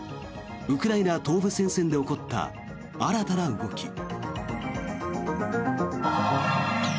ウクライナ東部戦線で起こった新たな動き。